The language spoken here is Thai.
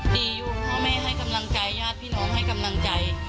ดีอยู่พ่อแม่ให้กำลังใจญาติพี่น้องให้กำลังใจ